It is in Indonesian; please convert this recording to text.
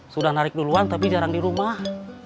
sudah narik duluan tapi jarang di rumah